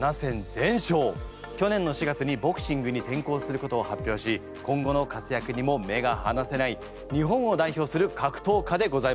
去年の４月にボクシングに転向することを発表し今後の活躍にも目がはなせない日本を代表する格闘家でございます。